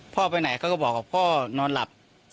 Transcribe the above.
พ่อไปไหนก็บอกว่าพ่อนอนหลับ